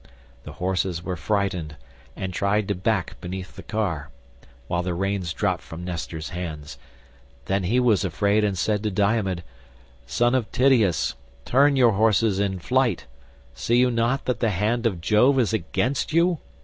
The horses were frightened and tried to back beneath the car, while the reins dropped from Nestor's hands. Then he was afraid and said to Diomed, "Son of Tydeus, turn your horses in flight; see you not that the hand of Jove is against you?